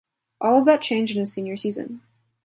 All of that changed in his senior season.